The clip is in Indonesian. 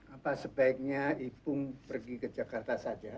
apa sebaiknya ipung pergi ke jakarta saja